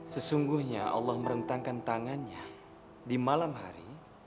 sesungguhnya allah merentangkan tangannya di malam hari